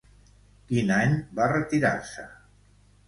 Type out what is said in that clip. Quin any va retirar-se?